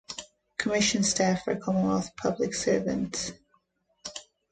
Commission staff are Commonwealth public servants.